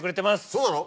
そうなの？